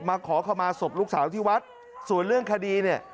ขอเข้ามาศพลูกสาวที่วัดส่วนเรื่องคดีเนี่ย